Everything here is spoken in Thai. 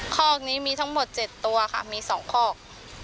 ข้อกนี้มีทั้งหมดเจ็ดตัวค่ะมีสองข้อก